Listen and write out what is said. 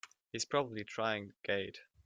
He's probably trying the gate!